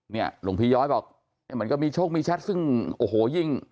หลวงพี่ย้อยบอกมันก็มีโชคมีแชทซึ่งโอ้โหยิ่ง